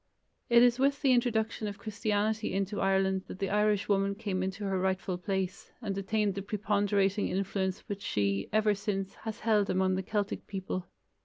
It is with the introduction of Christianity into Ireland that the Irish woman came into her rightful place, and attained the preponderating influence which she, ever since, has held among the Celtic people.